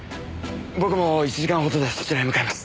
僕も１時間ほどでそちらへ向かいます。